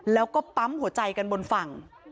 แล้วก็ปั๊มหัวใจกันบนฝั่ง